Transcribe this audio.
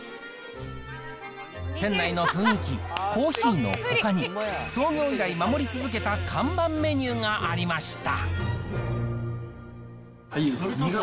店内の雰囲気、コーヒーのほかに、創業以来守り続けた看板メニューがありました。